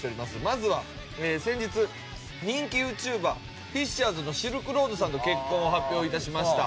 まずは先日人気ＹｏｕＴｕｂｅｒＦｉｓｃｈｅｒ’ｓのシルクロードさんと結婚を発表いたしました